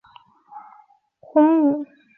明朝洪武九年降为沅州。